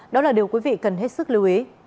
đó là điều quý vị cần hết sức lưu ý